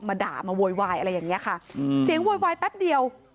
ด่ามาโวยวายอะไรอย่างเงี้ยค่ะอืมเสียงโวยวายแป๊บเดียว